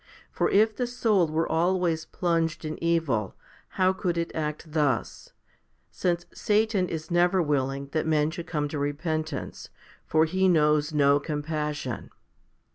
For if the soul were always plunged in evil, how could it act thus ? since Satan is never willing that men should come to repentance, for he knows no compassion.